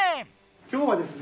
今日はですね